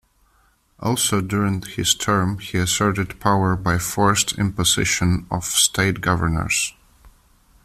Also during his term, he asserted power by forced imposition of state governors.